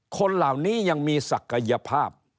คนเหล่านี้ยังมีศักยภาพ